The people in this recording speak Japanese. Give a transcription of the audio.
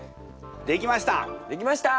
できました！